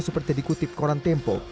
seperti dikutip koran tempo